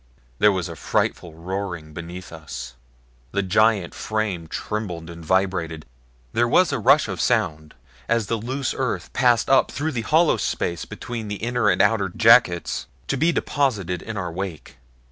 There was a frightful roaring beneath us the giant frame trembled and vibrated there was a rush of sound as the loose earth passed up through the hollow space between the inner and outer jackets to be deposited in our wake.